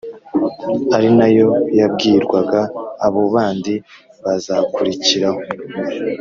ari na yo yabwirwaga abo bandi bazakurikiraho